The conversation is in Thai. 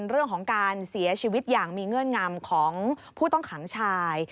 เรื่องของการเสียชีวิตอย่างมีเงื่อนงำของผู้ต้องขังชาย